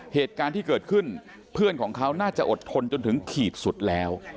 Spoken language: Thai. เหตุการณ์ที่เกิดขึ้นเพื่อนของเขาน่าจะอดทนจนถึงขีดสุดแล้ว